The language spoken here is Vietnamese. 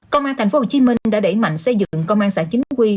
công an tp hcm đã đẩy mạnh xây dựng công an xã chính quy